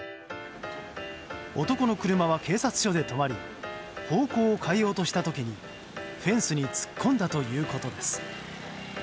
男の車は警察署で止まり方向を変えようとした時にフェンスに突っ込んだということです。